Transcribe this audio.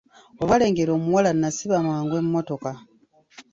Olwalengera omuwala n'asiba mangu emmotoka.